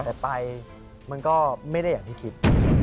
แต่ไปมันก็ไม่ได้อย่างที่คิด